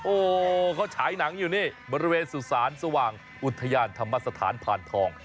โอ้โหเขาฉายหนังอยู่นี่บริเวณสุสานสว่างอุทยานธรรมสถานผ่านทอง